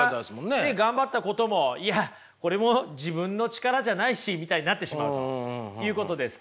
自分が頑張ったこともいやこれも自分の力じゃないしみたいになってしまうということですか？